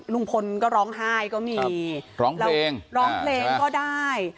ลุงพลก็ร้องไห้ก็มีร้องเพลงร้องเพลงก็ได้